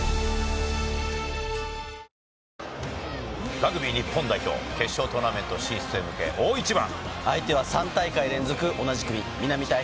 ラグビー日本代表、決勝トーナメント進出へ向け大一番。